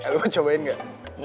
lo mau cobain gak